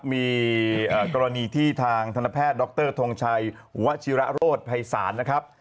มีกรณีที่ทางธนแพทย์ดรทงชัยวชิระโรธภัยศาลนะครับ